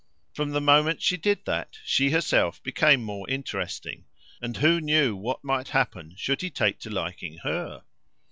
From the moment she did that she herself became more interesting, and who knew what might happen should he take to liking HER?